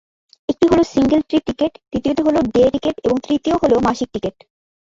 একটি হলো single trip ticket, দ্বিতীয়টি হলো ডে টিকেট এবং তৃতীয় হলো মাসিক টিকেট।